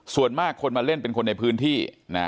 ส่วนมากคนมาเล่นเป็นคนในพื้นที่